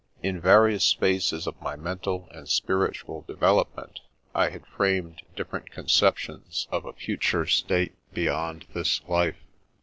In various phases of my mental and spiritual development, I had framed different conceptions of a future state beyond this life.